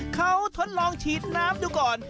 เขาทดลองฉีดน้ำดูก่อน